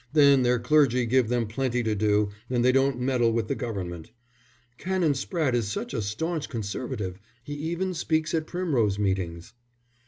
"Then their clergy give them plenty to do, and they don't meddle with the Government." "Canon Spratte is such a staunch Conservative. He even speaks at Primrose Meetings."